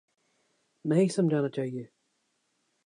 نہیں سمجھانا چاہیے۔